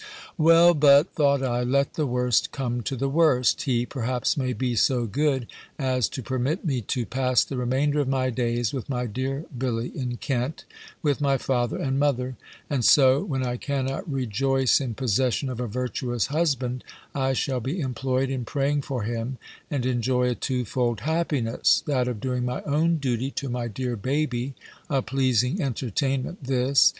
"Well, but," thought I, "let the worst come to the worst, he perhaps may be so good as to permit me to pass the remainder of my days with my dear Billy, in Kent, with my father and mother; and so, when I cannot rejoice in possession of a virtuous husband, I shall be employed in praying for him, and enjoy a two fold happiness, that of doing my own duty to my dear baby a pleasing entertainment this!